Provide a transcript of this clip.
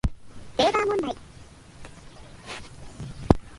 ウェーバー問題